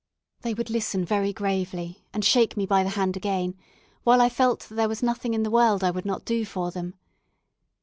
They would listen very gravely, and shake me by the hand again, while I felt that there was nothing in the world I would not do for them.